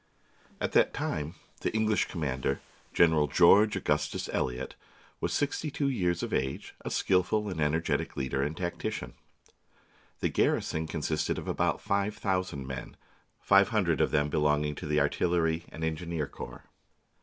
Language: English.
At that time the English commander, General George Augustus Elliot, was sixty two years of age, a skilful and energetic leader and tactician. The garrison consisted of about five thousand men, five hundred of them belonging to the artillery and engineer corps.